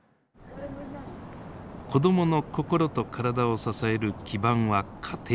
子どもの心と体を支える基盤は家庭。